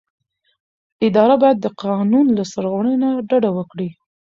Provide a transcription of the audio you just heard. اداره باید د قانون له سرغړونې ډډه وکړي.